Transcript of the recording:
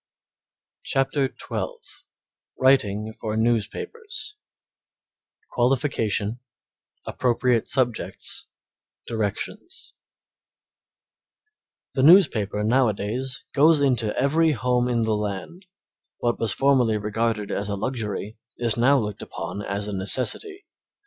CHAPTER XII WRITING FOR NEWSPAPERS Qualification Appropriate Subjects Directions The newspaper nowadays goes into every home in the land; what was formerly regarded as a luxury is now looked upon as a necessity.